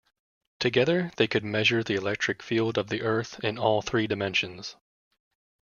Together they could measure the electric field of the earth in all three dimensions.